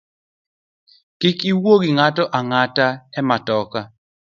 Kik iwuo gi ng’ato ang’ata e matoka